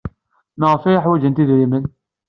Maɣef ay hwajent idrimen?